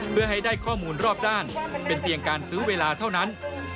เพื่อให้ได้ข้อมูลรอบด้านเป็นเพียงการซื้อเวลาเท่านั้น